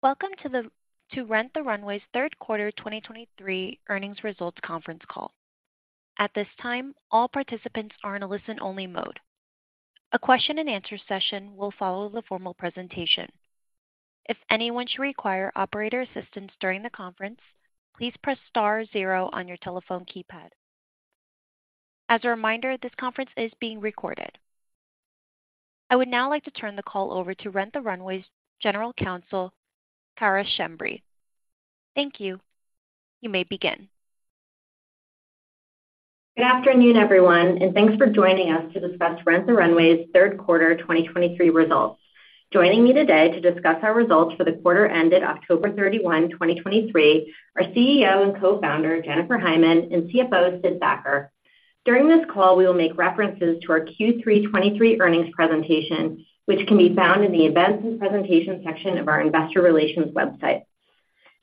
Welcome to Rent the Runway's third quarter 2023 earnings results conference call. At this time, all participants are in a listen-only mode. A question and answer session will follow the formal presentation. If anyone should require operator assistance during the conference, please press star zero on your telephone keypad. As a reminder, this conference is being recorded. I would now like to turn the call over to Rent the Runway's General Counsel, Cara Schembri. Thank you. You may begin. Good afternoon, everyone, and thanks for joining us to discuss Rent the Runway's Third Quarter 2023 Results. Joining me today to discuss our results for the quarter ended October 31, 2023, are CEO and Co-founder, Jennifer Hyman, and CFO, Sid Thacker. During this call, we will make references to our Q3 2023 earnings presentation, which can be found in the Events and Presentations section of our investor relations website.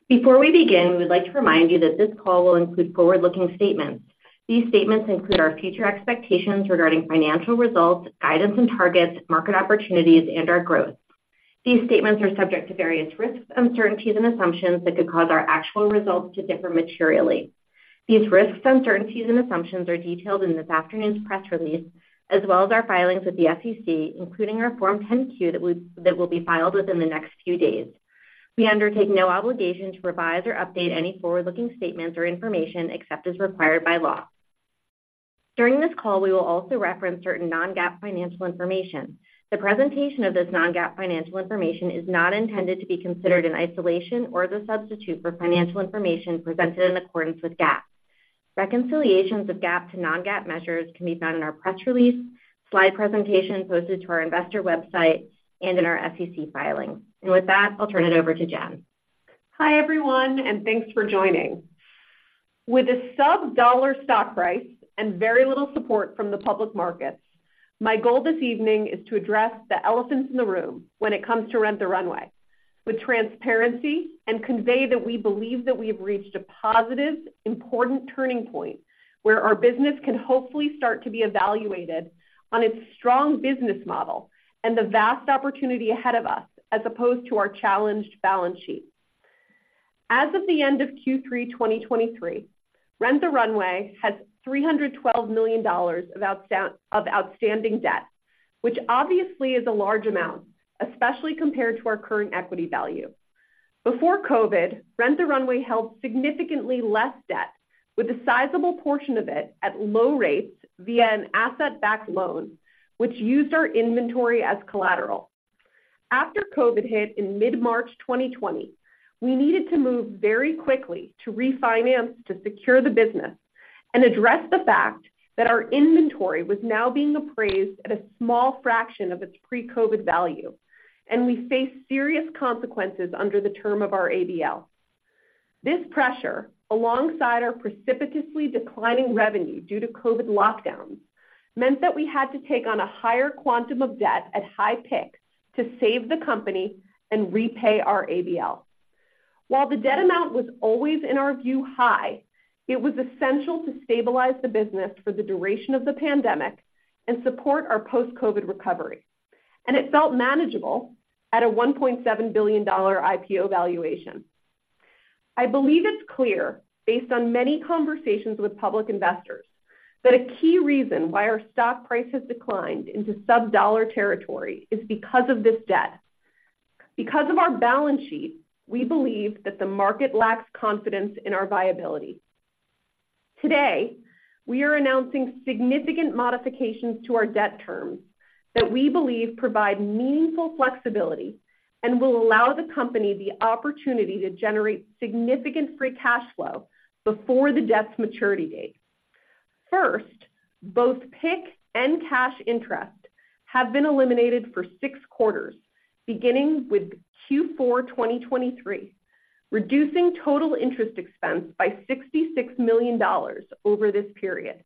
Before we begin, we'd like to remind you that this call will include forward-looking statements. These statements include our future expectations regarding financial results, guidance and targets, market opportunities, and our growth. These statements are subject to various risks, uncertainties, and assumptions that could cause our actual results to differ materially. These risks, uncertainties and assumptions are detailed in this afternoon's press release, as well as our filings with the SEC, including our Form 10-Q that will be filed within the next few days. We undertake no obligation to revise or update any forward-looking statements or information except as required by law. During this call, we will also reference certain non-GAAP financial information. The presentation of this non-GAAP financial information is not intended to be considered in isolation or as a substitute for financial information presented in accordance with GAAP. Reconciliations of GAAP to non-GAAP measures can be found in our press release, slide presentation posted to our investor website, and in our SEC filings. With that, I'll turn it over to Jen. Hi, everyone, and thanks for joining. With a sub-dollar stock price and very little support from the public markets, my goal this evening is to address the elephants in the room when it comes to Rent the Runway with transparency and convey that we believe that we have reached a positive, important turning point where our business can hopefully start to be evaluated on its strong business model and the vast opportunity ahead of us, as opposed to our challenged balance sheet. As of the end of Q3 2023, Rent the Runway had $312 million of outstanding debt, which obviously is a large amount, especially compared to our current equity value. Before COVID, Rent the Runway held significantly less debt, with a sizable portion of it at low rates via an asset-backed loan, which used our inventory as collateral. After COVID hit in mid-March 2020, we needed to move very quickly to refinance, to secure the business and address the fact that our inventory was now being appraised at a small fraction of its pre-COVID value, and we faced serious consequences under the term of our ABL. This pressure, alongside our precipitously declining revenue due to COVID lockdowns, meant that we had to take on a higher quantum of debt at high PIK to save the company and repay our ABL. While the debt amount was always, in our view, high, it was essential to stabilize the business for the duration of the pandemic and support our post-COVID recovery, and it felt manageable at a $1.7 billion IPO valuation. I believe it's clear, based on many conversations with public investors, that a key reason why our stock price has declined into sub-dollar territory is because of this debt. Because of our balance sheet, we believe that the market lacks confidence in our viability. Today, we are announcing significant modifications to our debt terms that we believe provide meaningful flexibility and will allow the company the opportunity to generate significant Free Cash Flow before the debt's maturity date. First, both PIK and cash interest have been eliminated for 6 quarters, beginning with Q4 2023, reducing total interest expense by $66 million over this period,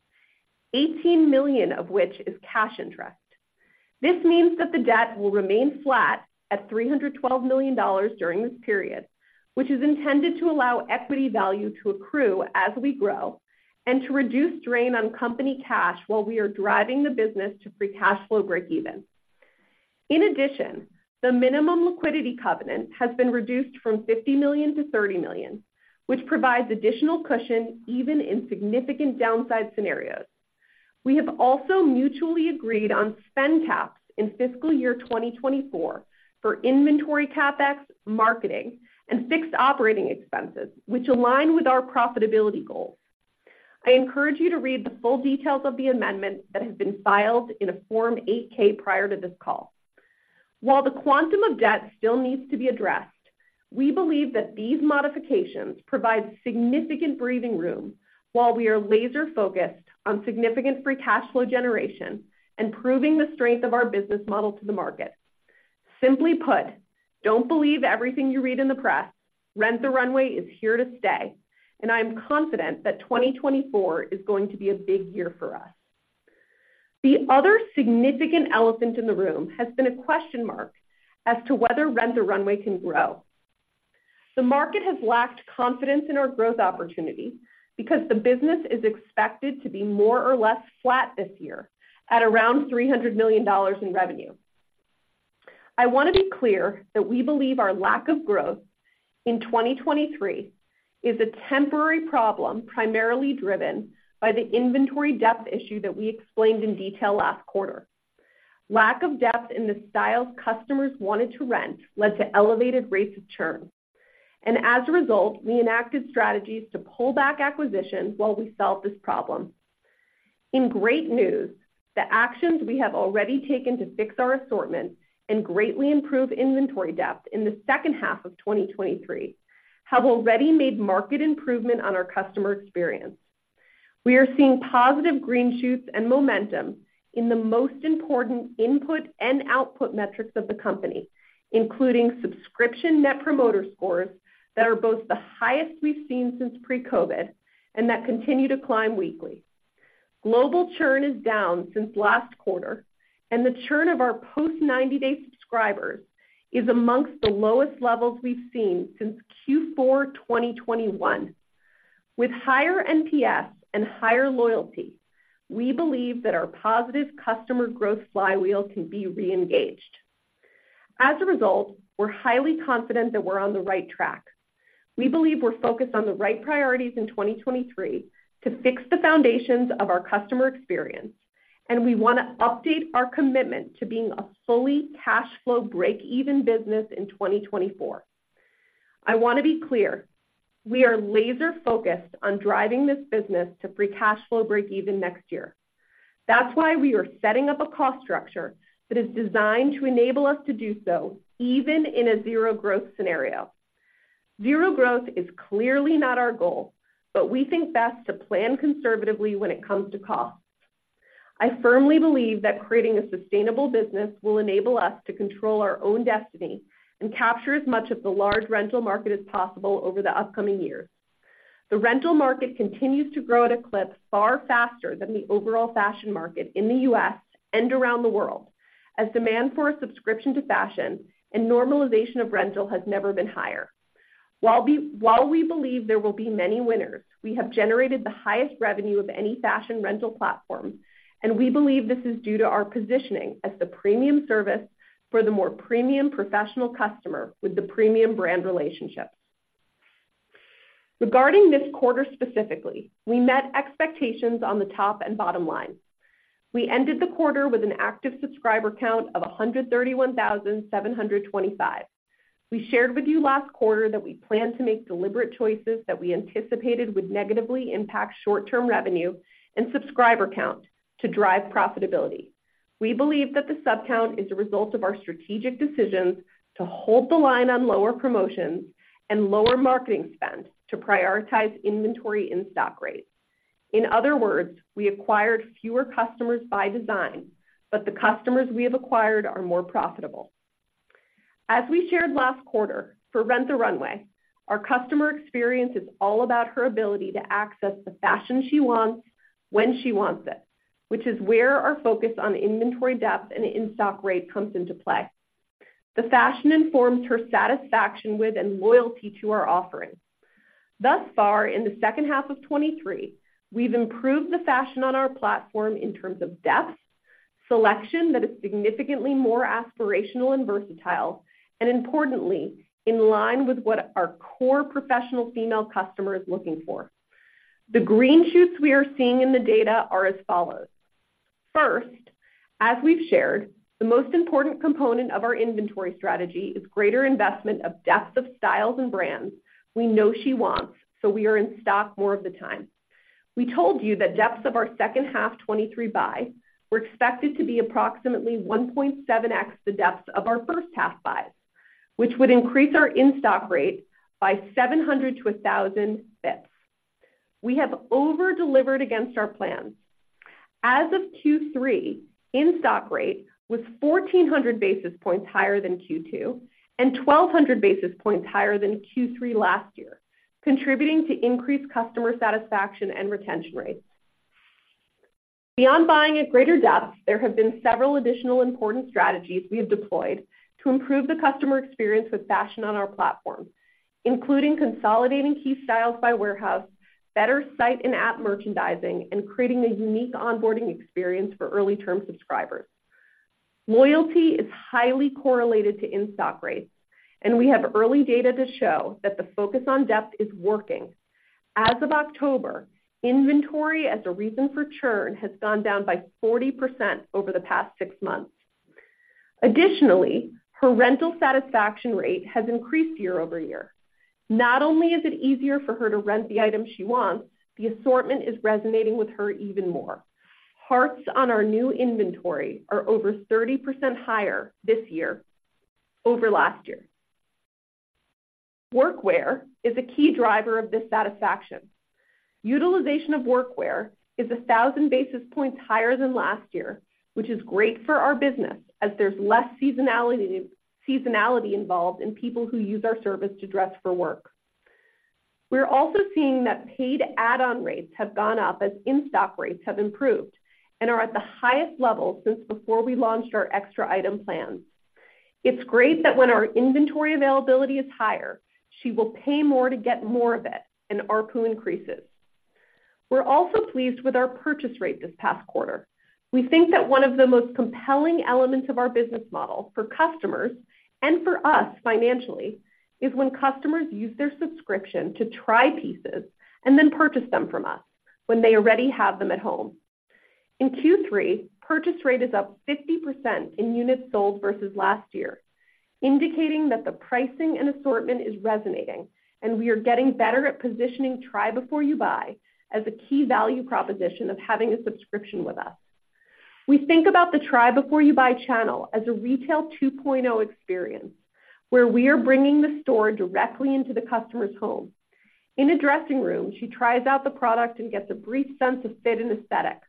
$18 million of which is cash interest. This means that the debt will remain flat at $312 million during this period, which is intended to allow equity value to accrue as we grow and to reduce drain on company cash while we are driving the business to Free Cash Flow breakeven. In addition, the minimum liquidity covenant has been reduced from $50 million to $30 million, which provides additional cushion even in significant downside scenarios. We have also mutually agreed on spend caps in fiscal year 2024 for inventory CapEx, marketing, and fixed operating expenses, which align with our profitability goals. I encourage you to read the full details of the amendment that have been filed in a Form 8-K prior to this call. While the quantum of debt still needs to be addressed, we believe that these modifications provide significant breathing room while we are laser focused on significant Free Cash Flow generation and proving the strength of our business model to the market. Simply put, don't believe everything you read in the press. Rent the Runway is here to stay, and I am confident that 2024 is going to be a big year for us. The other significant elephant in the room has been a question mark as to whether Rent the Runway can grow. The market has lacked confidence in our growth opportunity because the business is expected to be more or less flat this year at around $300 million in revenue. I want to be clear that we believe our lack of growth in 2023 is a temporary problem, primarily driven by the inventory depth issue that we explained in detail last quarter. Lack of depth in the styles customers wanted to rent led to elevated rates of churn, and as a result, we enacted strategies to pull back acquisitions while we solved this problem. In great news, the actions we have already taken to fix our assortment and greatly improve inventory depth in the second half of 2023, have already made marked improvement on our customer experience. We are seeing positive green shoots and momentum in the most important input and output metrics of the company, including subscription Net Promoter Scores, that are both the highest we've seen since pre-COVID, and that continue to climb weekly. Global churn is down since last quarter, and the churn of our post 90-day subscribers is among the lowest levels we've seen since Q4 2021. With higher NPS and higher loyalty, we believe that our positive customer growth flywheel can be re-engaged. As a result, we're highly confident that we're on the right track. We believe we're focused on the right priorities in 2023 to fix the foundations of our customer experience, and we want to update our commitment to being a fully cash flow break-even business in 2024. I want to be clear, we are laser-focused on driving this business to Free Cash Flow breakeven next year. That's why we are setting up a cost structure that is designed to enable us to do so, even in a zero-growth scenario. Zero growth is clearly not our goal, but we think best to plan conservatively when it comes to costs. I firmly believe that creating a sustainable business will enable us to control our own destiny and capture as much of the large rental market as possible over the upcoming years. The rental market continues to grow at a clip far faster than the overall fashion market in the U.S. and around the world, as demand for a subscription to fashion and normalization of rental has never been higher. While we believe there will be many winners, we have generated the highest revenue of any fashion rental platform, and we believe this is due to our positioning as the premium service for the more premium professional customer with the premium brand relationships. Regarding this quarter specifically, we met expectations on the top and bottom line. We ended the quarter with an active subscriber count of 131,725. We shared with you last quarter that we planned to make deliberate choices that we anticipated would negatively impact short-term revenue and subscriber count to drive profitability. We believe that the sub count is a result of our strategic decisions to hold the line on lower promotions and lower marketing spend to prioritize inventory in-stock rates. In other words, we acquired fewer customers by design, but the customers we have acquired are more profitable. As we shared last quarter, for Rent the Runway, our customer experience is all about her ability to access the fashion she wants, when she wants it, which is where our focus on inventory depth and in-stock rate comes into play. The fashion informs her satisfaction with and loyalty to our offerings. Thus far, in the second half of 2023, we've improved the fashion on our platform in terms of depth, selection that is significantly more aspirational and versatile, and importantly, in line with what our core professional female customer is looking for. The green shoots we are seeing in the data are as follows: First, as we've shared, the most important component of our inventory strategy is greater investment of depth of styles and brands we know she wants, so we are in stock more of the time. We told you that depths of our second half 2023 buy were expected to be approximately 1.7x the depths of our first half buys, which would increase our in-stock rate by 700 basis points-1,000 basis points. We have over-delivered against our plans. As of Q3, in-stock rate was 1,400 basis points higher than Q2, and 1,200 basis points higher than Q3 last year, contributing to increased customer satisfaction and retention rates. Beyond buying at greater depth, there have been several additional important strategies we have deployed to improve the customer experience with fashion on our platform, including consolidating key styles by warehouse, better site and app merchandising, and creating a unique onboarding experience for early term subscribers. Loyalty is highly correlated to in-stock rates, and we have early data to show that the focus on depth is working. As of October, inventory as a reason for churn has gone down by 40% over the past six months. Additionally, her rental satisfaction rate has increased year-over-year. Not only is it easier for her to rent the items she wants, the assortment is resonating with her even more. Hearts on our new inventory are over 30% higher this year over last year. Workwear is a key driver of this satisfaction. Utilization of workwear is 1,000 basis points higher than last year, which is great for our business as there's less seasonality involved in people who use our service to dress for work. We're also seeing that paid add-on rates have gone up as in-stock rates have improved, and are at the highest level since before we launched our extra item plans. It's great that when our inventory availability is higher, she will pay more to get more of it, and ARPU increases. We're also pleased with our purchase rate this past quarter. We think that one of the most compelling elements of our business model for customers, and for us financially, is when customers use their subscription to try pieces and then purchase them from us when they already have them at home. In Q3, purchase rate is up 50% in units sold versus last year, indicating that the pricing and assortment is resonating, and we are getting better at positioning try before you buy as a key value proposition of having a subscription with us. We think about the try before you buy channel as a retail 2.0 experience, where we are bringing the store directly into the customer's home. In a dressing room, she tries out the product and gets a brief sense of fit and aesthetic.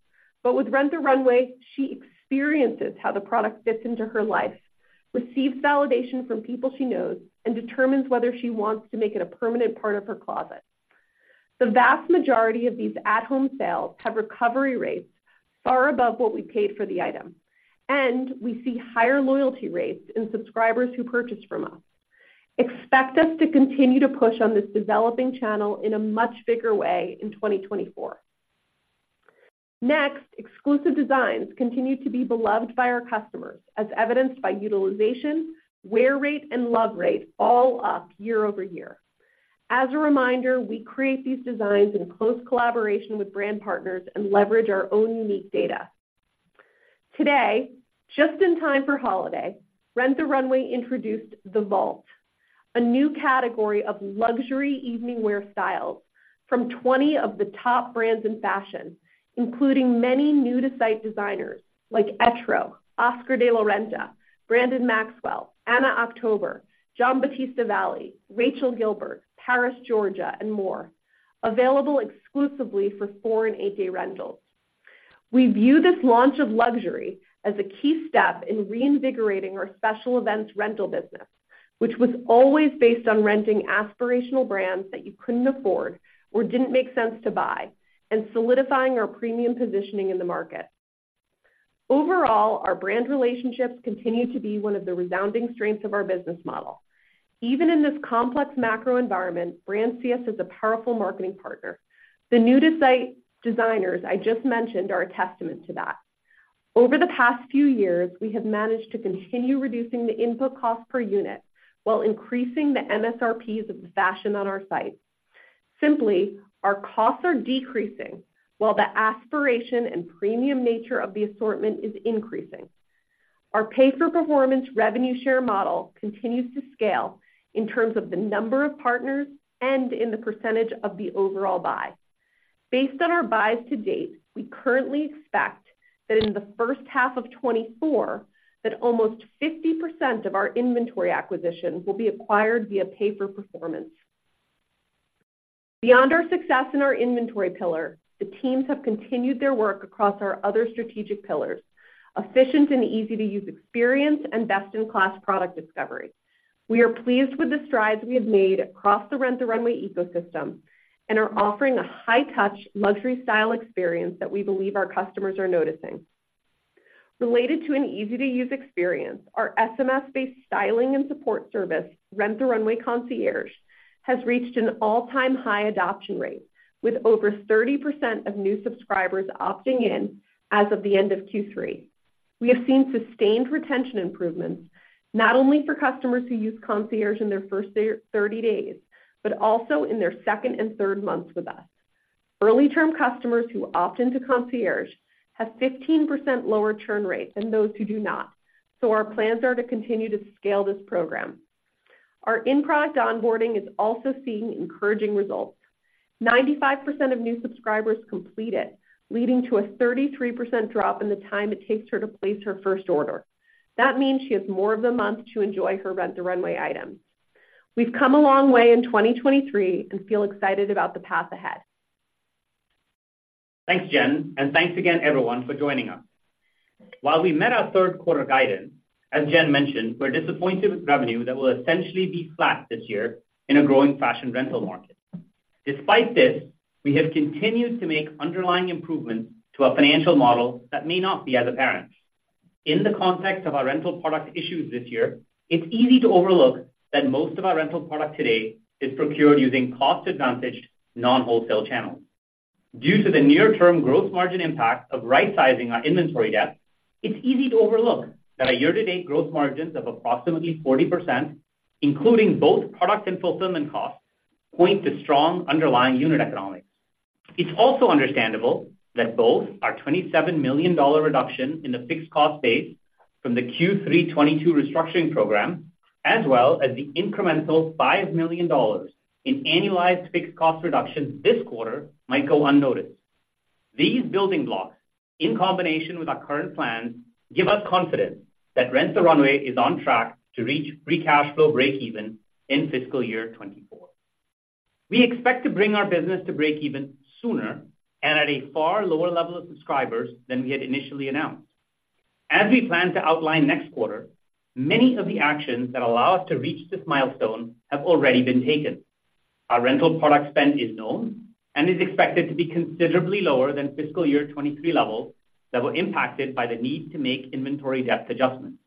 But with Rent the Runway, she experiences how the product fits into her life, receives validation from people she knows, and determines whether she wants to make it a permanent part of her closet. The vast majority of these at-home sales have recovery rates far above what we paid for the item, and we see higher loyalty rates in subscribers who purchase from us. Expect us to continue to push on this developing channel in a much bigger way in 2024. Next, exclusive designs continue to be beloved by our customers, as evidenced by utilization, wear rate, and love rate, all up year-over-year. As a reminder, we create these designs in close collaboration with brand partners and leverage our own unique data. Today, just in time for holiday, Rent the Runway introduced The Vault, a new category of luxury evening wear styles from 20 of the top brands in fashion, including many new-to-site designers like Etro, Oscar de la Renta, Brandon Maxwell, Anna October, Giambattista Valli, Rachel Gilbert, Paris Georgia, and more, available exclusively for 4-day and 8-day rentals. We view this launch of luxury as a key step in reinvigorating our special events rental business, which was always based on renting aspirational brands that you couldn't afford or didn't make sense to buy, and solidifying our premium positioning in the market. Overall, our brand relationships continue to be one of the resounding strengths of our business model. Even in this complex macro environment, brands see us as a powerful marketing partner. The new-to-site designers I just mentioned are a testament to that. Over the past few years, we have managed to continue reducing the input cost per unit while increasing the MSRPs of the fashion on our site. Simply, our costs are decreasing, while the aspiration and premium nature of the assortment is increasing. Our pay-for-performance revenue share model continues to scale in terms of the number of partners and in the percentage of the overall buy. Based on our buys to date, we currently expect that in the first half of 2024, that almost 50% of our inventory acquisitions will be acquired via pay-for-performance. Beyond our success in our inventory pillar, the teams have continued their work across our other strategic pillars: efficient and easy-to-use experience, and best-in-class product discovery. We are pleased with the strides we have made across the Rent the Runway ecosystem, and are offering a high-touch, luxury style experience that we believe our customers are noticing. Related to an easy-to-use experience, our SMS-based styling and support service, Rent the Runway Concierge, has reached an all-time high adoption rate, with over 30% of new subscribers opting in as of the end of Q3. We have seen sustained retention improvements, not only for customers who use Concierge in their first 30 days, but also in their second and third months with us. Early-term customers who opt into Concierge have 15% lower churn rates than those who do not, so our plans are to continue to scale this program. Our in-product onboarding is also seeing encouraging results. 95% of new subscribers complete it, leading to a 33% drop in the time it takes her to place her first order. That means she has more of the month to enjoy her Rent the Runway items. We've come a long way in 2023 and feel excited about the path ahead. Thanks, Jen, and thanks again everyone for joining us. While we met our third quarter guidance, as Jen mentioned, we're disappointed with revenue that will essentially be flat this year in a growing fashion rental market. Despite this, we have continued to make underlying improvements to our financial model that may not be as apparent. In the context of our rental product issues this year, it's easy to overlook that most of our rental product today is procured using cost-advantaged, non-wholesale channels. Due to the near-term gross margin impact of right sizing our inventory debt, it's easy to overlook that our year-to-date gross margins of approximately 40%, including both product and fulfillment costs, point to strong underlying unit economics. It's also understandable that both our $27 million reduction in the fixed cost base from the Q3 2022 restructuring program, as well as the incremental $5 million in annualized fixed cost reductions this quarter, might go unnoticed. These building blocks, in combination with our current plans, give us confidence that Rent the Runway is on track to reach Free Cash Flow breakeven in fiscal year 2024. We expect to bring our business to breakeven sooner and at a far lower level of subscribers than we had initially announced. As we plan to outline next quarter, many of the actions that allow us to reach this milestone have already been taken. Our rental product spend is known and is expected to be considerably lower than fiscal year 2023 levels that were impacted by the need to make inventory depth adjustments.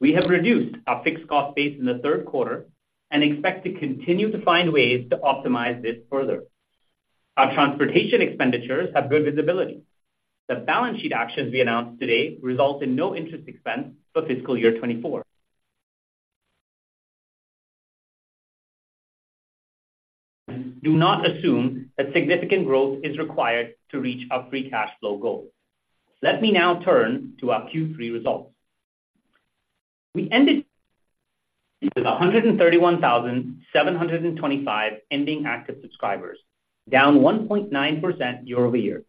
We have reduced our fixed cost base in the third quarter and expect to continue to find ways to optimize this further. Our transportation expenditures have good visibility. The balance sheet actions we announced today result in no interest expense for fiscal year 2024. Do not assume that significant growth is required to reach our free cash flow goal. Let me now turn to our Q3 results. We ended with 131,725 ending active subscribers, down 1.9% year-over-year.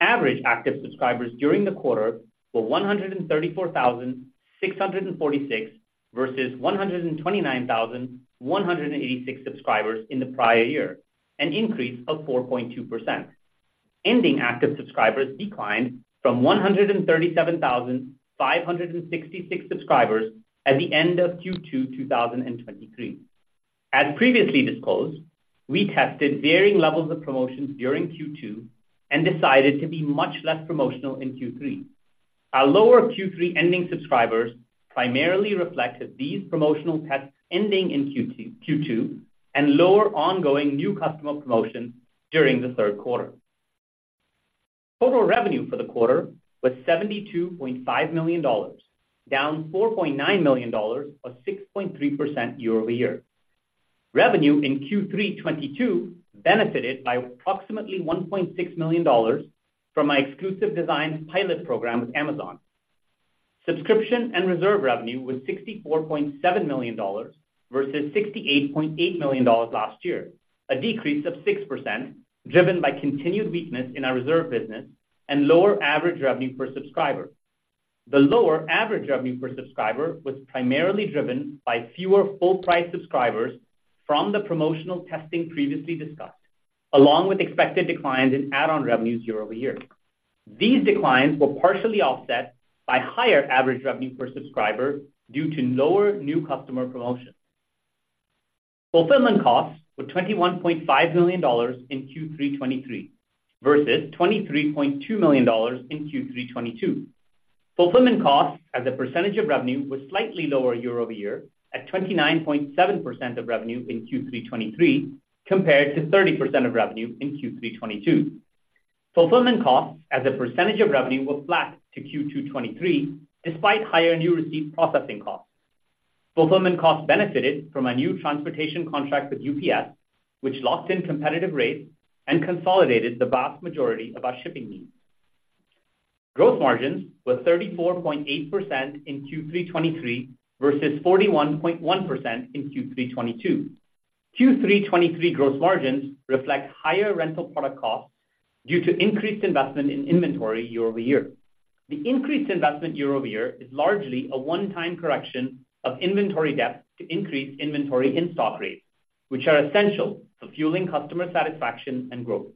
Average active subscribers during the quarter were 134,646, versus 129,186 subscribers in the prior year, an increase of 4.2%. Ending active subscribers declined from 137,566 subscribers at the end of Q2, 2023. As previously disclosed, we tested varying levels of promotions during Q2 and decided to be much less promotional in Q3. Our lower Q3 ending subscribers primarily reflected these promotional tests ending in Q2 and lower ongoing new customer promotions during the third quarter. Total revenue for the quarter was $72.5 million, down $4.9 million, or 6.3% year-over-year. Revenue in Q3 2022 benefited by approximately $1.6 million from my exclusive designs pilot program with Amazon. Subscription and Reserve revenue was $64.7 million, versus $68.8 million last year, a decrease of 6%, driven by continued weakness in our Reserve business and lower average revenue per subscriber. The lower average revenue per subscriber was primarily driven by fewer full-price subscribers from the promotional testing previously discussed, along with expected declines in add-on revenues year over year. These declines were partially offset by higher average revenue per subscriber due to lower new customer promotions. Fulfillment costs were $21.5 million in Q3 2023, versus $23.2 million in Q3 2022. Fulfillment costs as a percentage of revenue were slightly lower year over year, at 29.7% of revenue in Q3 2023, compared to 30% of revenue in Q3 2022. Fulfillment costs as a percentage of revenue were flat to Q2 2023, despite higher new receipt processing costs. Fulfillment costs benefited from a new transportation contract with UPS, which locked in competitive rates and consolidated the vast majority of our shipping needs. Gross margins were 34.8% in Q3 2023, versus 41.1% in Q3 2022. Q3 2023 gross margins reflect higher rental product costs due to increased investment in inventory year-over-year. The increased investment year-over-year is largely a one-time correction of inventory depth to increase inventory in stock rates, which are essential for fueling customer satisfaction and growth.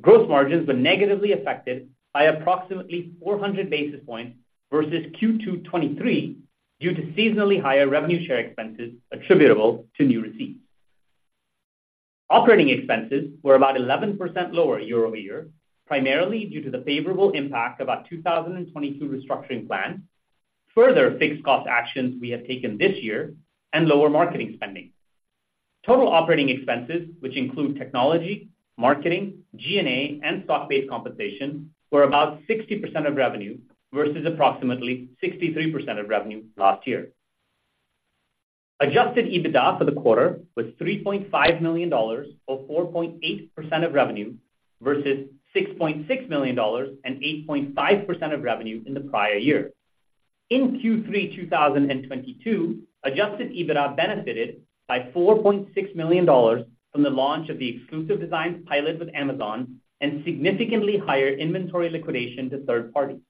Gross margins were negatively affected by approximately 400 basis points versus Q2 2023, due to seasonally higher revenue share expenses attributable to new receipts. Operating expenses were about 11% lower year-over-year, primarily due to the favorable impact of our 2022 restructuring plan, further fixed cost actions we have taken this year, and lower marketing spending. Total operating expenses, which include technology, marketing, G&A, and stock-based compensation, were about 60% of revenue, versus approximately 63% of revenue last year. Adjusted EBITDA for the quarter was $3.5 million, or 4.8% of revenue, versus $6.6 million and 8.5% of revenue in the prior year. In Q3 2022, adjusted EBITDA benefited by $4.6 million from the launch of the exclusive designs pilot with Amazon and significantly higher inventory liquidation to third parties.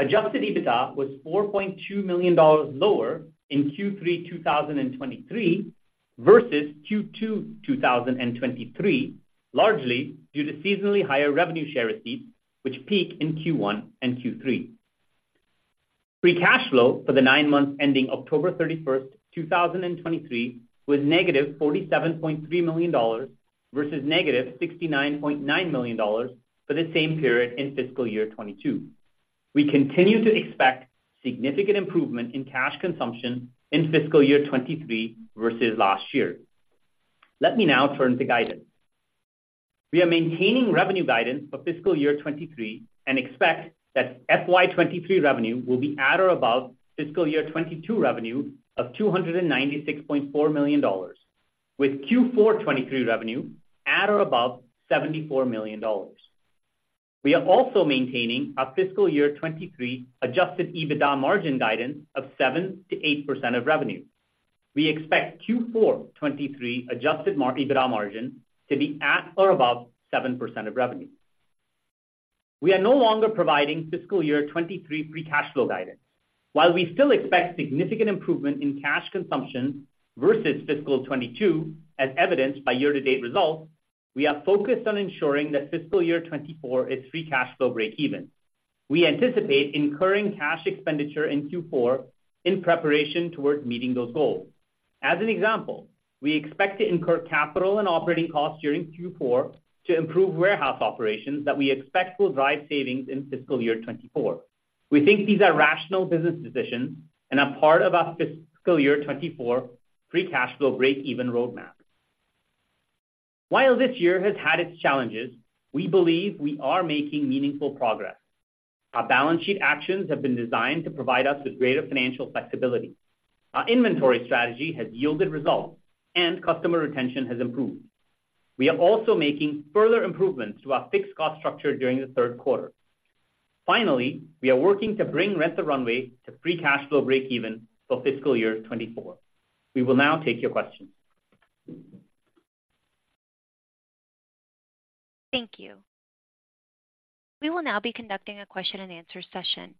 Adjusted EBITDA was $4.2 million lower in Q3 2023, versus Q2 2023, largely due to seasonally higher revenue share receipts, which peak in Q1 and Q3. Free Cash Flow for the 9 months ending October 31st, 2023, was -$47.3 million, versus -$69.9 million for the same period in fiscal year 2022. We continue to expect significant improvement in cash consumption in fiscal year 2023 versus last year. Let me now turn to guidance. We are maintaining revenue guidance for fiscal year 2023 and expect that FY 2023 revenue will be at or above fiscal year 2022 revenue of $296.4 million, with Q4 2023 revenue at or above $74 million. We are also maintaining our fiscal year 2023 Adjusted EBITDA margin guidance of 7%-8% of revenue. We expect Q4 2023 Adjusted EBITDA margin to be at or above 7% of revenue. We are no longer providing fiscal year 2023 Free Cash Flow guidance. While we still expect significant improvement in cash consumption versus fiscal 2022, as evidenced by year-to-date results, we are focused on ensuring that fiscal year 2024 is Free Cash Flow breakeven. We anticipate incurring cash expenditure in Q4 in preparation towards meeting those goals. As an example, we expect to incur capital and operating costs during Q4 to improve warehouse operations that we expect will drive savings in fiscal year 2024. We think these are rational business decisions and are part of our fiscal year 2024 Free Cash Flow breakeven roadmap. While this year has had its challenges, we believe we are making meaningful progress. Our balance sheet actions have been designed to provide us with greater financial flexibility. Our inventory strategy has yielded results, and customer retention has improved. We are also making further improvements to our fixed cost structure during the third quarter. Finally, we are working to bring Rent the Runway to Free Cash Flow breakeven for fiscal year 2024. We will now take your questions. Thank you. We will now be conducting a question-and-answer session.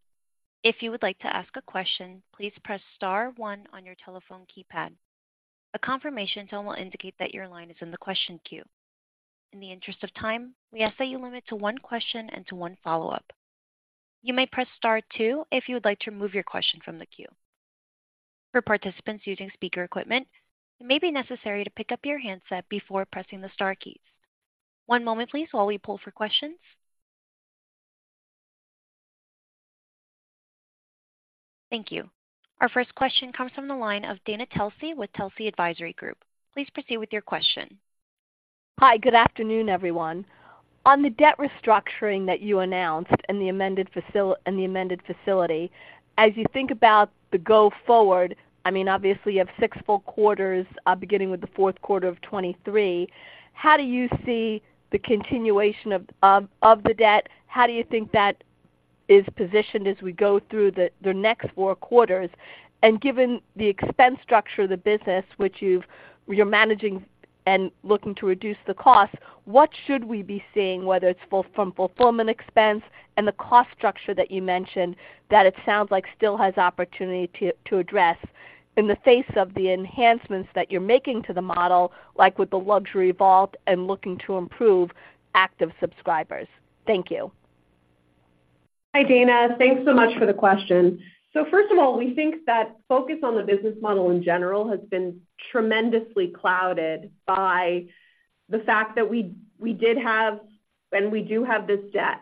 If you would like to ask a question, please press star one on your telephone keypad. A confirmation tone will indicate that your line is in the question queue. In the interest of time, we ask that you limit to one question and to one follow-up. You may press star two if you would like to remove your question from the queue. For participants using speaker equipment, it may be necessary to pick up your handset before pressing the star keys. One moment, please, while we pull for questions. Thank you. Our first question comes from the line of Dana Telsey with Telsey Advisory Group. Please proceed with your question. Hi, good afternoon, everyone. On the debt restructuring that you announced and the amended facility, as you think about the go forward, I mean, obviously you have six full quarters, beginning with the fourth quarter of 2023. How do you see the continuation of the debt? How do you think that is positioned as we go through the next four quarters? And given the expense structure of the business, which you're managing and looking to reduce the cost, what should we be seeing, whether it's from fulfillment expense and the cost structure that you mentioned, that it sounds like still has opportunity to address in the face of the enhancements that you're making to the model, like with the luxury Vault and looking to improve active subscribers? Thank you. Hi, Dana. Thanks so much for the question. First of all, we think that focus on the business model in general has been tremendously clouded by the fact that we did have, and we do have this debt.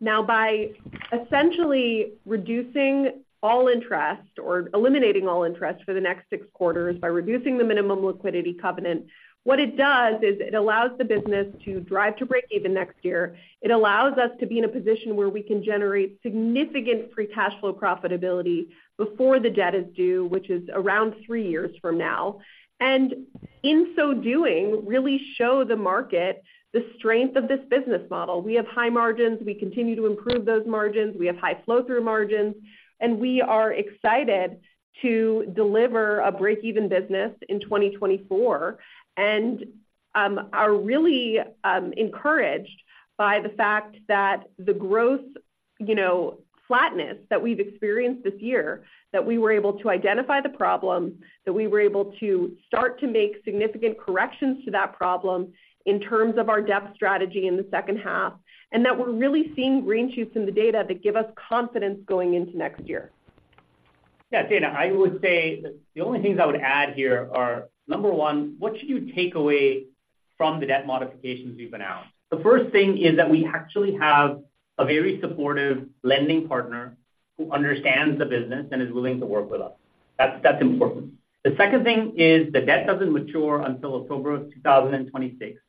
Now, by essentially reducing all interest or eliminating all interest for the next six quarters, by reducing the minimum liquidity covenant, what it does is it allows the business to drive to breakeven next year. It allows us to be in a position where we can generate significant Free Cash Flow profitability before the debt is due, which is around three years from now. In so doing, really show the market the strength of this business model. We have high margins. We continue to improve those margins. We have high flow-through margins, and we are excited to deliver a breakeven business in 2024, and are really encouraged by the fact that the growth, you know, flatness that we've experienced this year, that we were able to identify the problem, that we were able to start to make significant corrections to that problem in terms of our debt strategy in the second half, and that we're really seeing green shoots in the data that give us confidence going into next year. Yeah, Dana, I would say that the only things I would add here are, number one, what should you take away from the debt modifications we've announced? The first thing is that we actually have a very supportive lending partner who understands the business and is willing to work with us. That's, that's important. The second thing is the debt doesn't mature until October of 2026,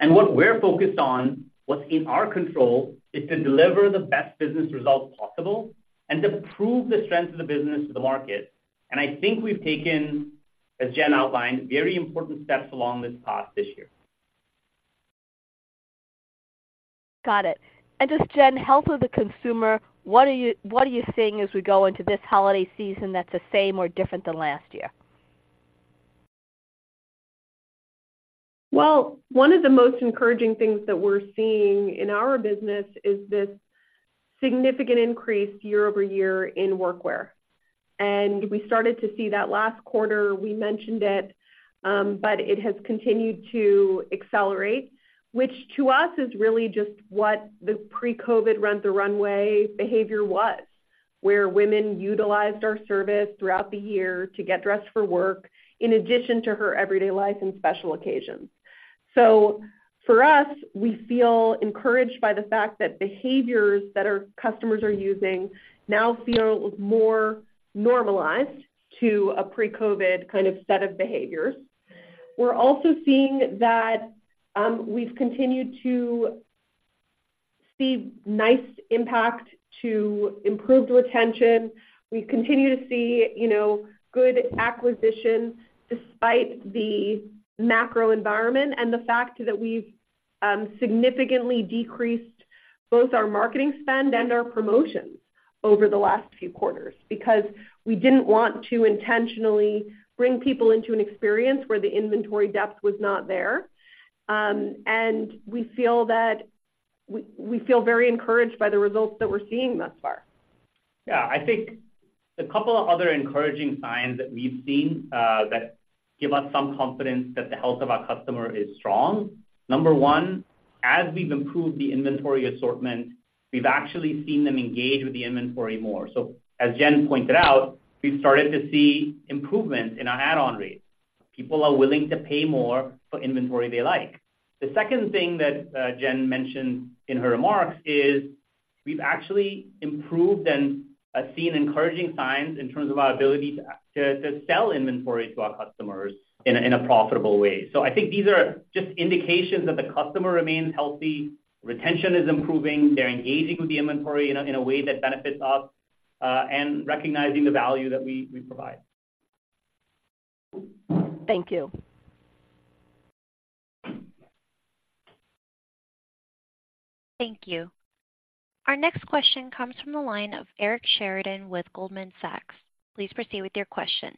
and what we're focused on, what's in our control, is to deliver the best business results possible and to prove the strength of the business to the market. I think we've taken, as Jen outlined, very important steps along this path this year. Got it. And just, Jen, health of the consumer, what are you seeing as we go into this holiday season that's the same or different than last year? Well, one of the most encouraging things that we're seeing in our business is this significant increase year-over-year in workwear. We started to see that last quarter. We mentioned it, but it has continued to accelerate, which to us is really just what the pre-COVID Rent the Runway behavior was, where women utilized our service throughout the year to get dressed for work, in addition to her everyday life and special occasions. So for us, we feel encouraged by the fact that behaviors that our customers are using now feel more normalized to a pre-COVID kind of set of behaviors. We're also seeing that we've continued to see nice impact to improved retention. We continue to see, you know, good acquisition despite the macro environment and the fact that we've significantly decreased both our marketing spend and our promotions over the last few quarters. Because we didn't want to intentionally bring people into an experience where the inventory depth was not there. We feel very encouraged by the results that we're seeing thus far. Yeah, I think a couple of other encouraging signs that we've seen that give us some confidence that the health of our customer is strong. Number one, as we've improved the inventory assortment, we've actually seen them engage with the inventory more. So as Jen pointed out, we've started to see improvements in our add-on rate. People are willing to pay more for inventory they like. The second thing that Jen mentioned in her remarks is, we've actually improved and seen encouraging signs in terms of our ability to sell inventory to our customers in a profitable way. So I think these are just indications that the customer remains healthy, retention is improving, they're engaging with the inventory in a way that benefits us, and recognizing the value that we provide. Thank you. Thank you. Our next question comes from the line of Eric Sheridan with Goldman Sachs. Please proceed with your question.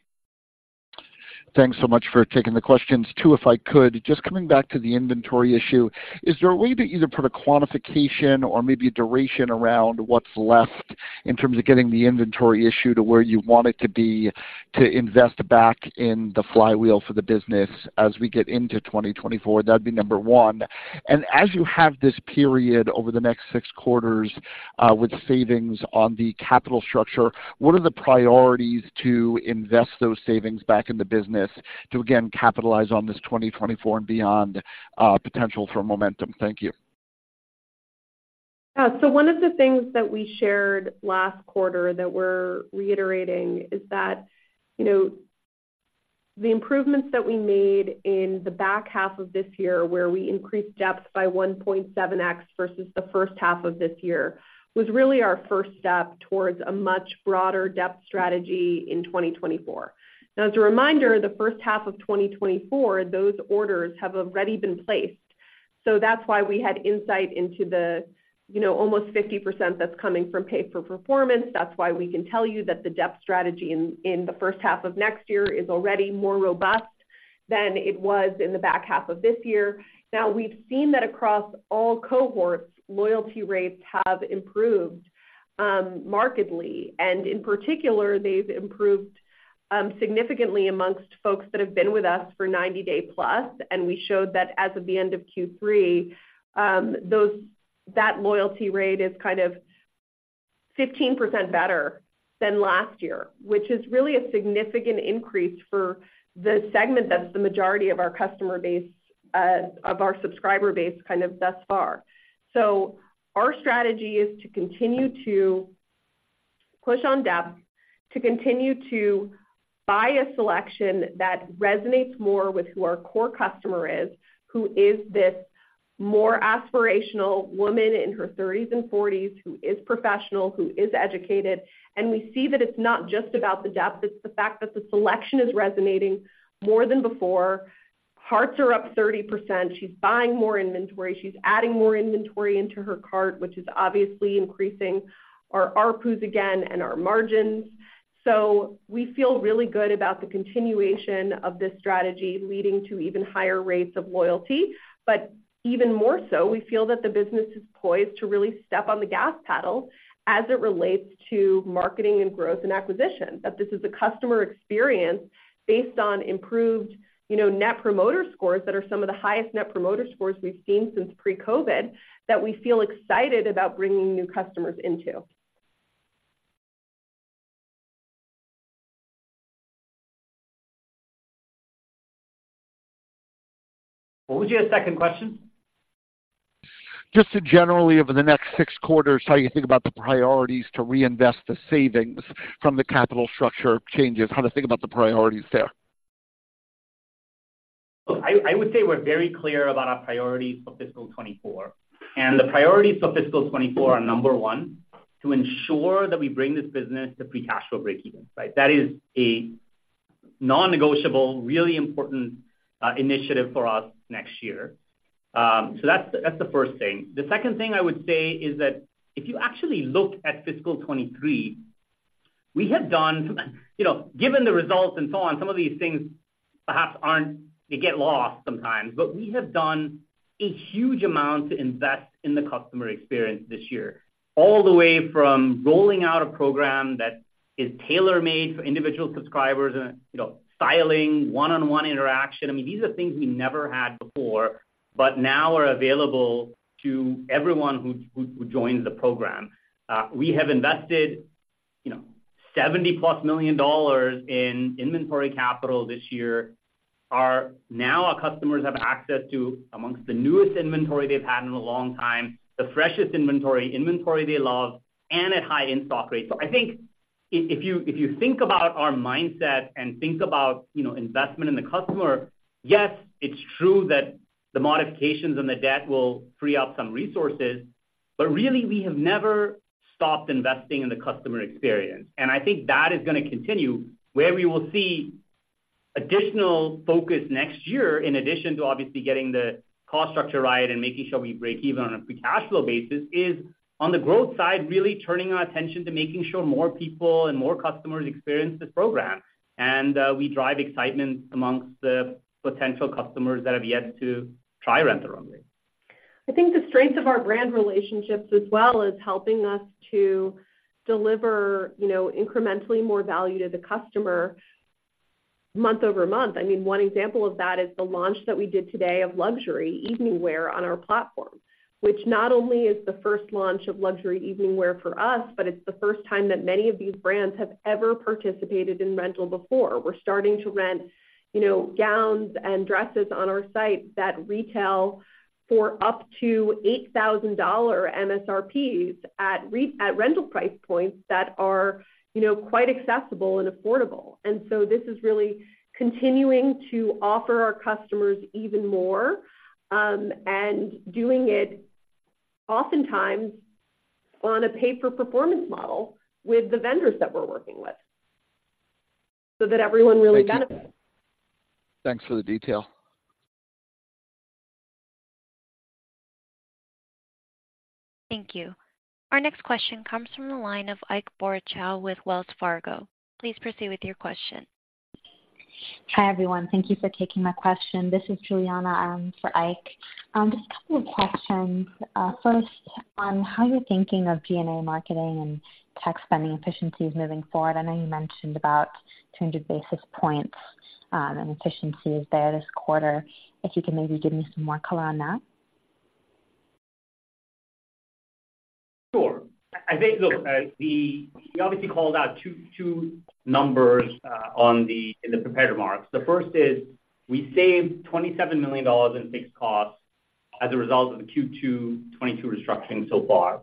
Thanks so much for taking the questions. Two, if I could, just coming back to the inventory issue, is there a way to either put a quantification or maybe a duration around what's left in terms of getting the inventory issue to where you want it to be, to invest back in the flywheel for the business as we get into 2024? That'd be number one. As you have this period over the next six quarters, with savings on the capital structure, what are the priorities to invest those savings back in the business to, again, capitalize on this 2024 and beyond, potential for momentum? Thank you. Yeah. So one of the things that we shared last quarter that we're reiterating is that, you know, the improvements that we made in the back half of this year, where we increased depth by 1.7x versus the first half of this year, was really our first step towards a much broader depth strategy in 2024. Now, as a reminder, the first half of 2024, those orders have already been placed. So that's why we had insight into the, you know, almost 50% that's coming from pay for performance. That's why we can tell you that the depth strategy in, in the first half of next year is already more robust than it was in the back half of this year. Now, we've seen that across all cohorts, loyalty rates have improved markedly, and in particular, they've improved significantly amongst folks that have been with us for 90-day+. And we showed that as of the end of Q3, that loyalty rate is kind of 15% better than last year, which is really a significant increase for the segment that's the majority of our customer base of our subscriber base, kind of, thus far. So our strategy is to continue to push on depth, to continue to buy a selection that resonates more with who our core customer is, who is this more aspirational woman in her 30s and 40s, who is professional, who is educated. And we see that it's not just about the depth, it's the fact that the selection is resonating more than before. Carts are up 30%. She's buying more inventory. She's adding more inventory into her cart, which is obviously increasing our ARPU again and our margins. So we feel really good about the continuation of this strategy, leading to even higher rates of loyalty. But even more so, we feel that the business is poised to really step on the gas pedal as it relates to marketing and growth and acquisition. That this is a customer experience based on improved, you know, Net Promoter Scores, that are some of the highest Net Promoter Scores we've seen since pre-COVID, that we feel excited about bringing new customers into. What was your second question? Just generally, over the next 6 quarters, how you think about the priorities to reinvest the savings from the capital structure changes, how to think about the priorities there? Look, I, I would say we're very clear about our priorities for fiscal 2024. And the priorities for fiscal 2024 are, number one, to ensure that we bring this business to Free Cash Flow breakeven, right? That is a non-negotiable, really important initiative for us next year. So that's, that's the first thing. The second thing I would say is that if you actually look at fiscal 2023, we have done, you know, given the results and so on, some of these things perhaps aren't—they get lost sometimes, but we have done a huge amount to invest in the customer experience this year, all the way from rolling out a program that is tailor-made for individual subscribers and, you know, styling one-on-one interaction. I mean, these are things we never had before, but now are available to everyone who, who joins the program. We have invested, you know, $70 million+ in inventory capital this year. Now, our customers have access to among the newest inventory they've had in a long time, the freshest inventory, inventory they love, and at high in-stock rates. So I think if you think about our mindset and think about, you know, investment in the customer, yes, it's true that the modifications and the debt will free up some resources, but really, we have never stopped investing in the customer experience. And I think that is gonna continue. Where we will see additional focus next year, in addition to obviously getting the cost structure right and making sure we breakeven on a Free Cash Flow basis, is on the growth side, really turning our attention to making sure more people and more customers experience this program, and we drive excitement amongst the potential customers that have yet to try Rent the Runway. I think the strength of our brand relationships as well is helping us to deliver, you know, incrementally more value to the customer month-over-month. I mean, one example of that is the launch that we did today of luxury evening wear on our platform, which not only is the first launch of luxury evening wear for us, but it's the first time that many of these brands have ever participated in rental before. We're starting to rent, you know, gowns and dresses on our site that retail for up to $8,000 MSRPs at rental price points that are, you know, quite accessible and affordable. And so this is really continuing to offer our customers even more and doing it oftentimes on a pay-for-performance model with the vendors that we're working with, so that everyone really benefits. Thanks for the detail. Thank you. Our next question comes from the line of Ike Boruchow with Wells Fargo. Please proceed with your question. Hi, everyone. Thank you for taking my question. This is Juliana, for Ike. Just a couple of questions. First, on how you're thinking of G&A, marketing, and tech spending efficiencies moving forward. I know you mentioned about 200 basis points, and efficiencies there this quarter. If you can maybe give me some more color on that. Sure. I think, look, we, we obviously called out two, two numbers, in the prepared remarks. The first is, we saved $27 million in fixed costs as a result of the Q2 2022 restructuring so far.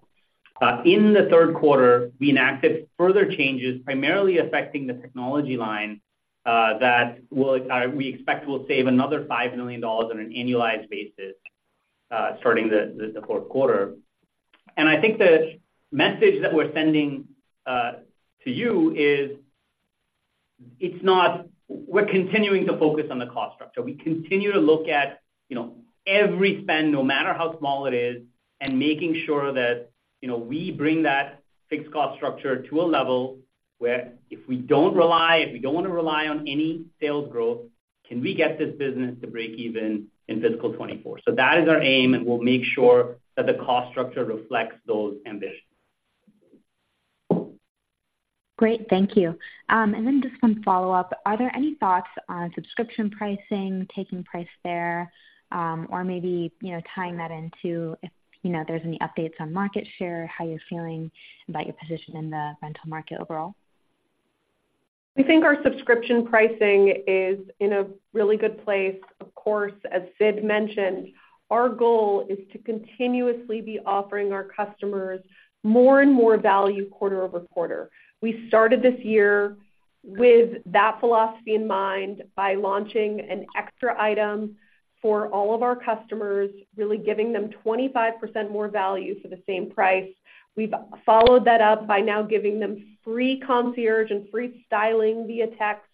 In the third quarter, we enacted further changes, primarily affecting the technology line, that will, we expect will save another $5 million on an annualized basis, starting the fourth quarter. And I think the message that we're sending, to you is, it's no—we're continuing to focus on the cost structure. We continue to look at, you know, every spend, no matter how small it is, and making sure that, you know, we bring that fixed cost structure to a level where if we don't rely, if we don't want to rely on any sales growth, can we get this business to breakeven in fiscal 2024? So that is our aim, and we'll make sure that the cost structure reflects those ambitions. Great. Thank you. And then just one follow-up: Are there any thoughts on subscription pricing, taking price there, or maybe, you know, tying that into if, you know, there's any updates on market share, how you're feeling about your position in the rental market overall? We think our subscription pricing is in a really good place. Of course, as Sid mentioned, our goal is to continuously be offering our customers more and more value quarter over quarter. We started this year with that philosophy in mind by launching an extra item for all of our customers, really giving them 25% more value for the same price. We've followed that up by now giving them free concierge and free styling via text.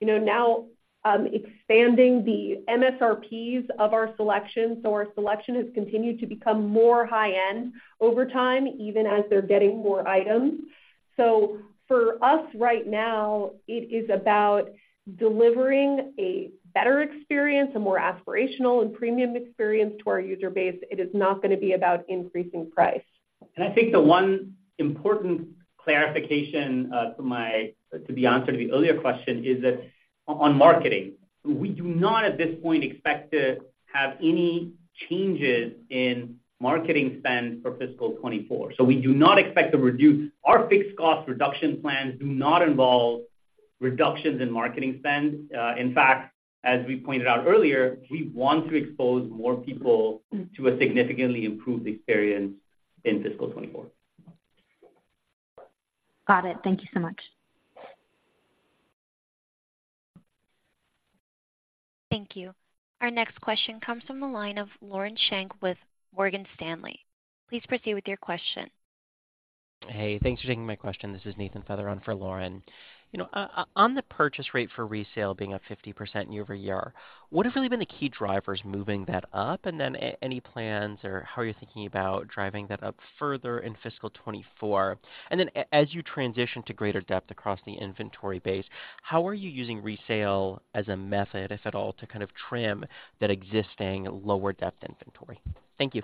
You know, now, expanding the MSRPs of our selection, so our selection has continued to become more high-end over time, even as they're getting more items. So for us, right now, it is about delivering a better experience, a more aspirational and premium experience to our user base. It is not going to be about increasing price. I think the one important clarification to my, to the answer to the earlier question, is that on marketing, we do not at this point, expect to have any changes in marketing spend for fiscal 2024. We do not expect to reduce. Our fixed cost reduction plans do not involve reductions in marketing spend. In fact, as we pointed out earlier, we want to expose more people to a significantly improved experience in fiscal 2024. Got it. Thank you so much. Thank you. Our next question comes from the line of Lauren Schenk with Morgan Stanley. Please proceed with your question. Hey, thanks for taking my question. This is Nathan Feather for Lauren. You know, on the purchase rate for resale being up 50% year-over-year, what have really been the key drivers moving that up, and then any plans or how are you thinking about driving that up further in fiscal 2024? And then as you transition to greater depth across the inventory base, how are you using resale as a method, if at all, to kind of trim that existing lower depth inventory? Thank you.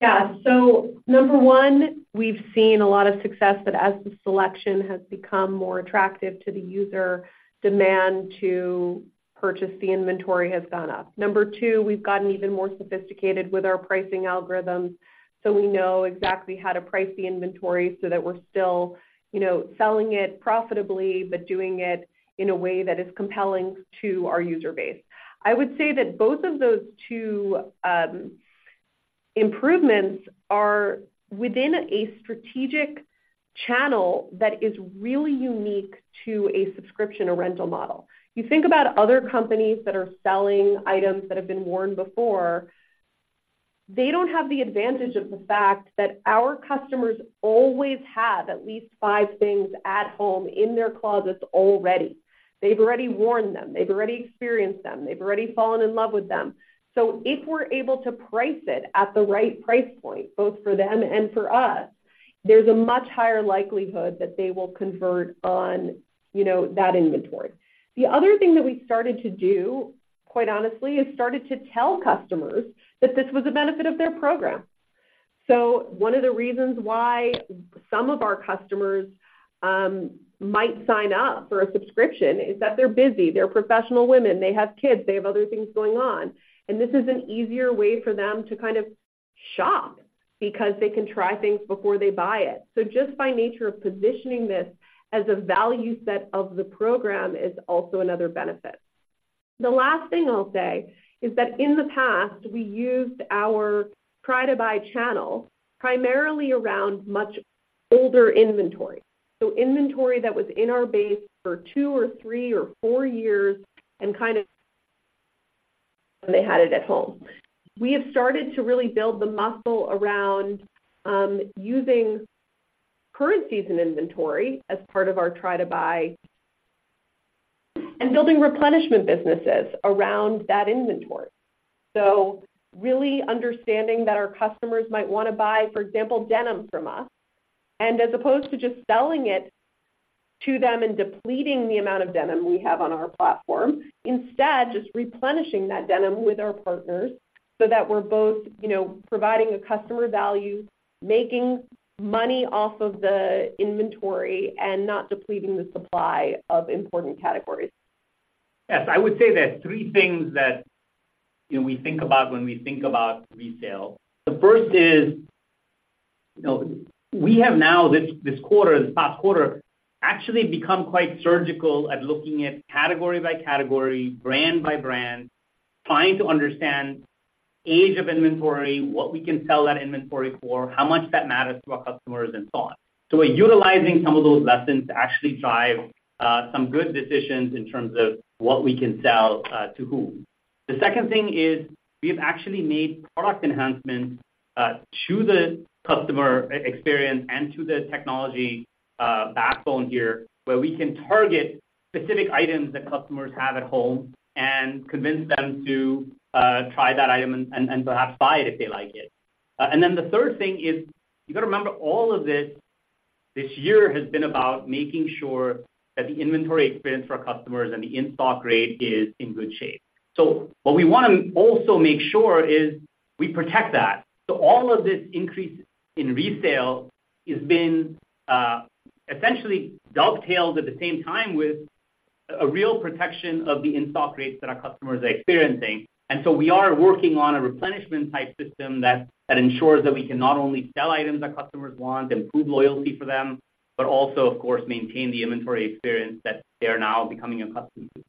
Yeah. So number one, we've seen a lot of success, that as the selection has become more attractive to the user, demand to purchase the inventory has gone up. Number two, we've gotten even more sophisticated with our pricing algorithms, so we know exactly how to price the inventory so that we're still, you know, selling it profitably, but doing it in a way that is compelling to our user base. I would say that both of those two improvements are within a strategic channel that is really unique to a subscription or rental model. You think about other companies that are selling items that have been worn before, they don't have the advantage of the fact that our customers always have at least five things at home in their closets already. They've already worn them, they've already experienced them, they've already fallen in love with them. So if we're able to price it at the right price point, both for them and for us, there's a much higher likelihood that they will convert on, you know, that inventory. The other thing that we started to do, quite honestly, is started to tell customers that this was a benefit of their program. So one of the reasons why some of our customers might sign up for a subscription is that they're busy, they're professional women, they have kids, they have other things going on, and this is an easier way for them to kind of shop because they can try things before they buy it. So just by nature of positioning this as a value set of the program is also another benefit. The last thing I'll say is that in the past, we used our try to buy channel primarily around much older inventory. So inventory that was in our base for two or three or four years and kind of, and they had it at home. We have started to really build the muscle around using current season inventory as part of our try to buy and building replenishment businesses around that inventory. So really understanding that our customers might want to buy, for example, denim from us, and as opposed to just selling it to them and depleting the amount of denim we have on our platform, instead, just replenishing that denim with our partners so that we're both, you know, providing a customer value, making money off of the inventory and not depleting the supply of important categories. Yes, I would say there are three things that, you know, we think about when we think about re-sale. The first is, you know, we have now this quarter, this past quarter, actually become quite surgical at looking at category by category, brand by brand, trying to understand age of inventory, what we can sell that inventory for, how much that matters to our customers, and so on. So we're utilizing some of those lessons to actually drive some good decisions in terms of what we can sell to whom. The second thing is, we have actually made product enhancements to the customer experience and to the technology backbone here, where we can target specific items that customers have at home and convince them to try that item and perhaps buy it if they like it. And then the third thing is, you've got to remember, all of this, this year has been about making sure that the inventory experience for our customers and the in-stock rate is in good shape. So what we want to also make sure is we protect that. So all of this increase in resale has been, essentially dovetailed at the same time with a real protection of the in-stock rates that our customers are experiencing. And so we are working on a replenishment-type system that, that ensures that we can not only sell items that customers want, improve loyalty for them, but also, of course, maintain the inventory experience that they are now becoming accustomed to.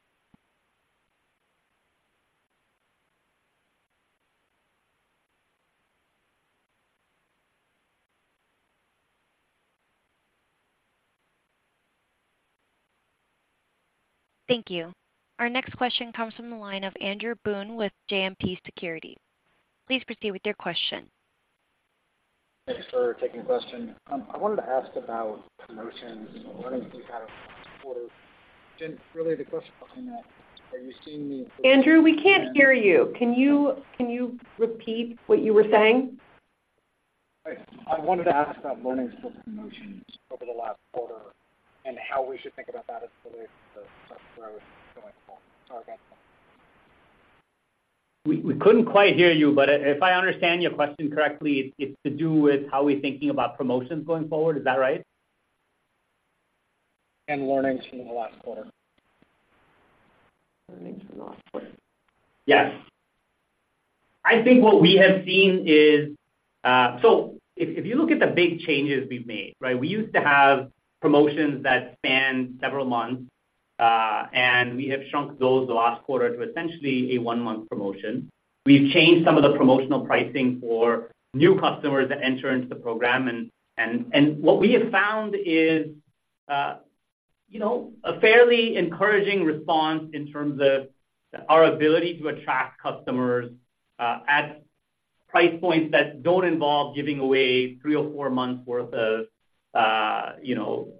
Thank you. Our next question comes from the line of Andrew Boone with JMP Securities. Please proceed with your question. Thanks for taking the question. I wanted to ask about promotions and what did you have fo—Really, the question behind that, are you seeing the- Andrew, we can't hear you. Can you, can you repeat what you were saying? I wanted to ask about learnings for promotions over the last quarter and how we should think about that as it relates to growth going forward at Rent the Runway. We couldn't quite hear you, but if I understand your question correctly, it's to do with how we're thinking about promotions going forward. Is that right? Learnings from the last quarter. Learnings from the last quarter. Yes. I think what we have seen is, so if you look at the big changes we've made, right? We used to have promotions that spanned several months, and we have shrunk those the last quarter to essentially a one-month promotion. We've changed some of the promotional pricing for new customers that enter into the program, and what we have found is, you know, a fairly encouraging response in terms of our ability to attract customers, at price points that don't involve giving away three or four months worth of, you know,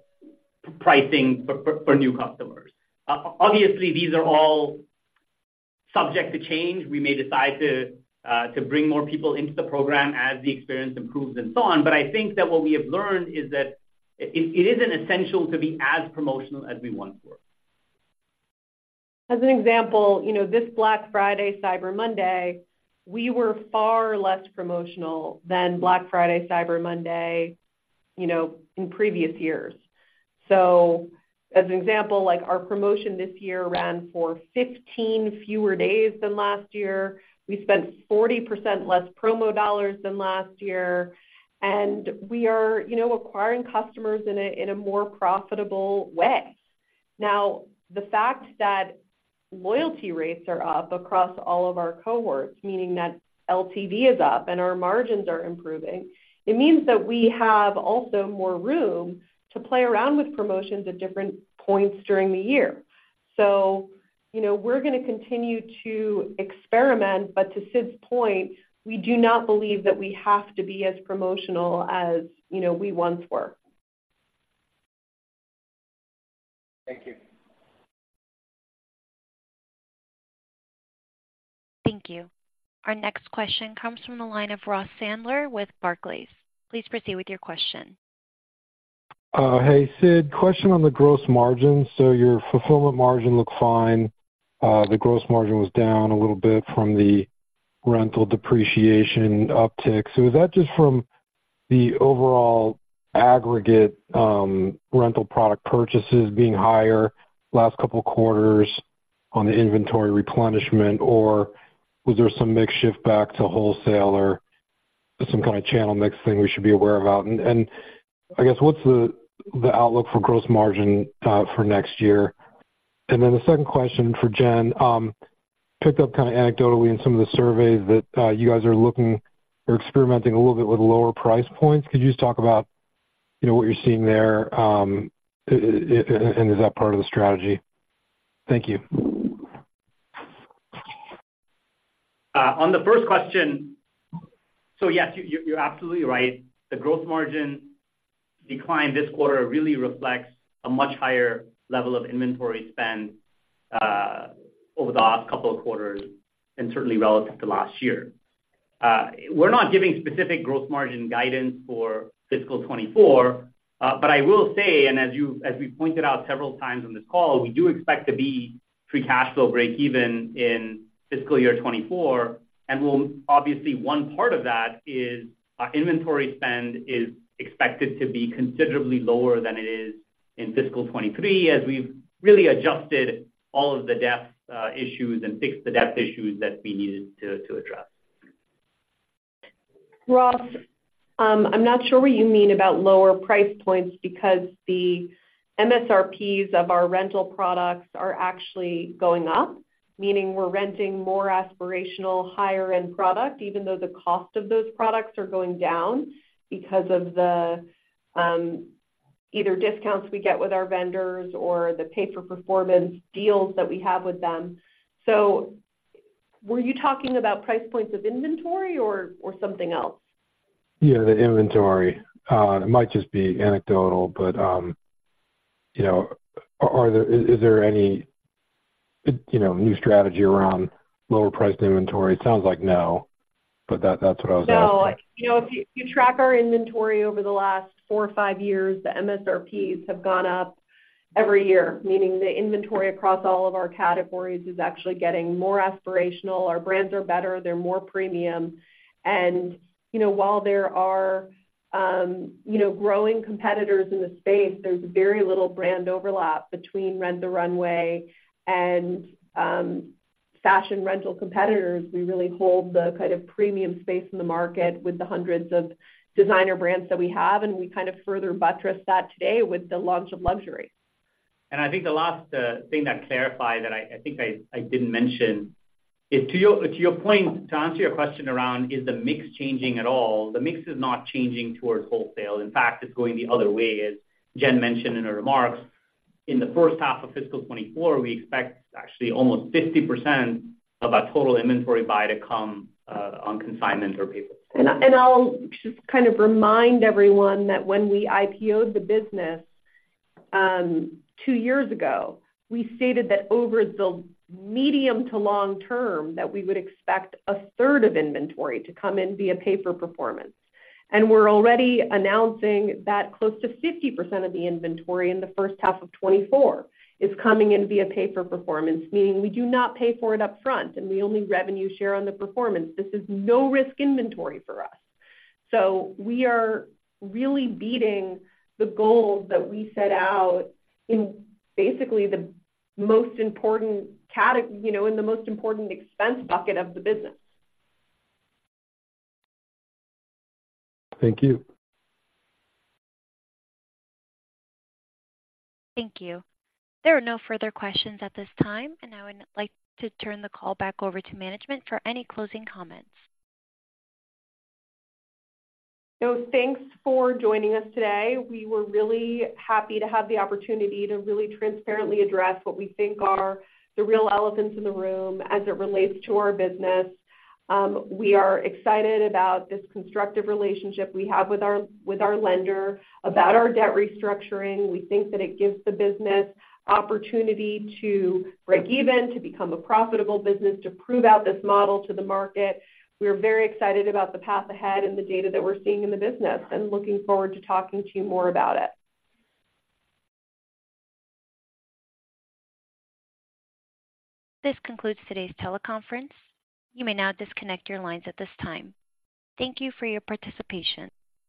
pricing for new customers. Obviously, these are all subject to change. We may decide to bring more people into the program as the experience improves and so on. But I think that what we have learned is that it isn't essential to be as promotional as we once were. As an example, you know, this Black Friday, Cyber Monday, we were far less promotional than Black Friday, Cyber Monday, you know, in previous years. So as an example, like, our promotion this year ran for 15 fewer days than last year. We spent 40% less promo dollars than last year, and we are, you know, acquiring customers in a, in a more profitable way. Now, the fact that loyalty rates are up across all of our cohorts, meaning that LTV is up and our margins are improving, it means that we have also more room to play around with promotions at different points during the year. So, you know, we're going to continue to experiment, but to Sid's point, we do not believe that we have to be as promotional as, you know, we once were. Thank you. Thank you. Our next question comes from the line of Ross Sandler with Barclays. Please proceed with your question. Hey, Sid, question on the gross margin. So your fulfillment margin looks fine. The gross margin was down a little bit from the rental depreciation uptick. So is that just from the overall aggregate rental product purchases being higher last couple of quarters on the inventory replenishment, or was there some mix shift back to wholesale, some kind of channel mix thing we should be aware about? And I guess, what's the outlook for gross margin for next year? And then the second question for Jen. Picked up kind of anecdotally in some of the surveys that you guys are looking or experimenting a little bit with lower price points. Could you just talk about, you know, what you're seeing there, and is that part of the strategy? Thank you. On the first question, so yes, you, you're absolutely right. The gross margin decline this quarter really reflects a much higher level of inventory spend over the last couple of quarters and certainly relative to last year. We're not giving specific gross margin guidance for fiscal 2024, but I will say, and as we pointed out several times on this call, we do expect to be Free Cash Flow breakeven in fiscal year 2024. Obviously, one part of that is our inventory spend is expected to be considerably lower than it is in fiscal 2023, as we've really adjusted all of the debt issues and fixed the debt issues that we needed to address. Ross, I'm not sure what you mean about lower price points, because the MSRPs of our rental products are actually going up, meaning we're renting more aspirational, higher-end product, even though the cost of those products are going down because of the, either discounts we get with our vendors or the pay-for-performance deals that we have with them. So were you talking about price points of inventory or, or something else? Yeah, the inventory. It might just be anecdotal, but, you know, is there any, you know, new strategy around lower priced inventory? It sounds like no, but that's what I was asking. No. You know, if you, you track our inventory over the last four or five years, the MSRPs have gone up every year, meaning the inventory across all of our categories is actually getting more aspirational. Our brands are better, they're more premium. You know, while there are, you know, growing competitors in the space, there's very little brand overlap between Rent the Runway and, fashion rental competitors. We really hold the kind of premium space in the market with the hundreds of designer brands that we have, and we kind of further buttress that today with the launch of luxury. I think the last thing that clarified that I think I didn't mention is, to your point, to answer your question around, is the mix changing at all? The mix is not changing towards wholesale. In fact, it's going the other way, as Jen mentioned in her remarks. In the first half of fiscal 2024, we expect actually almost 50% of our total inventory buy to come on consignment or pay-for-performance. And I'll just kind of remind everyone that when we IPO'd the business, two years ago, we stated that over the medium to long term, that we would expect a third of inventory to come in via pay-for-performance. And we're already announcing that close to 50% of the inventory in the first half of 2024 is coming in via pay-for-performance, meaning we do not pay for it upfront, and we only revenue share on the performance. This is no-risk inventory for us. So we are really beating the goals that we set out in basically the most important, you know, in the most important expense bucket of the business. Thank you. Thank you. There are no further questions at this time, and now I'd like to turn the call back over to management for any closing comments. So thanks for joining us today. We were really happy to have the opportunity to really transparently address what we think are the real elephants in the room as it relates to our business. We are excited about this constructive relationship we have with our, with our lender, about our debt restructuring. We think that it gives the business opportunity to breakeven, to become a profitable business, to prove out this model to the market. We are very excited about the path ahead and the data that we're seeing in the business, and looking forward to talking to you more about it. This concludes today's teleconference. You may now disconnect your lines at this time. Thank you for your participation.